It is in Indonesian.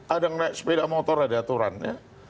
orang naik sepeda motor ada aturan ya